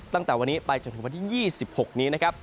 ตั้งแต่วันนี้ไปจนถึงวันที่๒๖นี้นะครับ